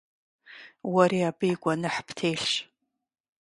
Уэри абы и гуэныхь птелъщ.